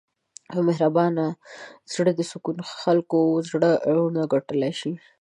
یو مهربان زړه د سلګونو خلکو زړونه ګټلی شي.